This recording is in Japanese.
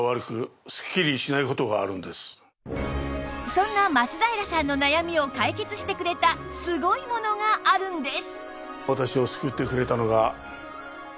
そんな松平さんの悩みを解決してくれたすごいものがあるんです！